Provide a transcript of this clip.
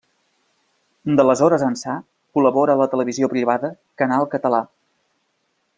D'aleshores ençà, col·labora a la televisió privada Canal Català.